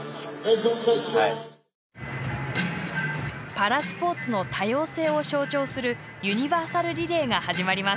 パラスポーツの多様性を象徴するユニバーサルリレーが始まります。